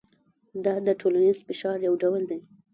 دا د ټولنیز فشار یو ډول دی.